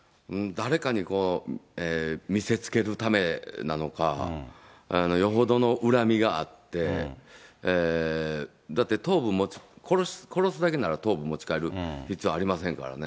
誰かに見せつけるためなのか、よほどの恨みがあって、だって殺すだけなら頭部持ち帰る必要ありませんからね。